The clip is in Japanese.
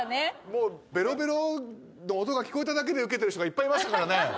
もうべろべろの音が聞こえただけでウケてる人がいっぱいいましたからね。